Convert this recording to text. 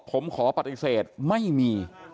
ผมขอปฏิเสธไม่มี